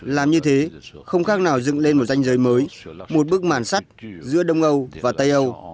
làm như thế không khác nào dựng lên một danh giới mới một bước màn sắt giữa đông âu và tây âu